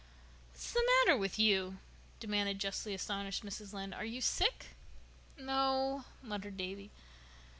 "What's the matter with you?" demanded justly astonished Mrs. Lynde. "Are you sick?" "No," muttered Davy.